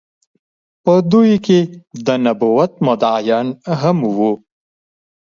په دوی کې د نبوت مدعيانو هم وو